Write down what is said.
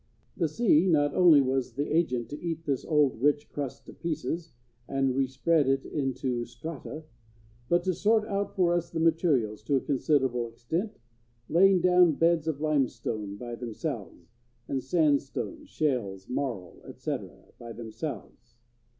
The sea not only was the agent to eat this old, rich crust to pieces and respread it into strata, but to sort out for us the materials to a considerable extent, laying down beds of limestone by themselves, and sandstone, shales, marl, etc., by themselves.